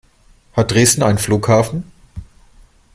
Hat Dresden einen Flughafen?